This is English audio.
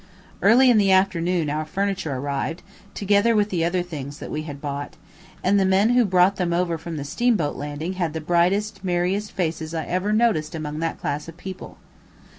Early in the afternoon our furniture arrived, together with the other things we had bought, and the men who brought them over from the steamboat landing had the brightest, merriest faces I ever noticed among that class of people.